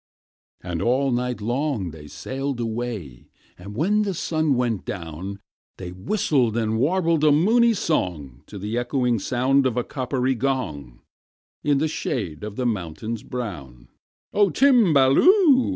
And all night long they sailed away; And when the sun went down, They whistled and warbled a moony song To the echoing sound of a coppery gong, In the shade of the mountains brown. "O Timballoo!